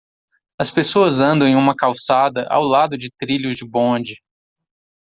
As pessoas andam em uma calçada ao lado de trilhos de bonde.